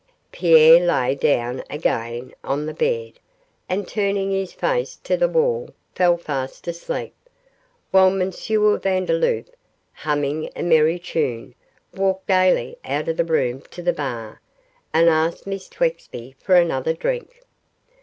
Pierre lay down again on the bed, and turning his face to the wall fell fast asleep, while M. Vandeloup, humming a merry tune, walked gaily out of the room to the bar, and asked Miss Twexby for another drink.